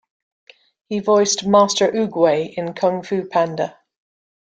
He voiced Master Oogway in "Kung Fu Panda".